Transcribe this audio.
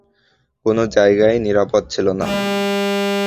কোনো জায়গাই নিরাপদ ছিল না।